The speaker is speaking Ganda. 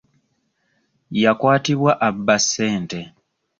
Yakwatibwa abba ssente.